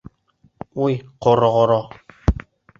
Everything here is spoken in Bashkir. Уй, ҡороғоро!